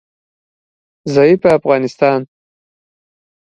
ضعیفه افغانستان